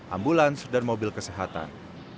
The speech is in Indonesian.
ambulans dan mobil kesehatan